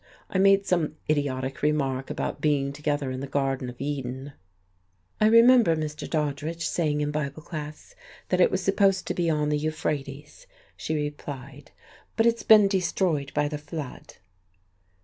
I made some idiotic remark about being together in the Garden of Eden. "I remember Mr. Doddridge saying in Bible class that it was supposed to be on the Euphrates," she replied. "But it's been destroyed by the flood."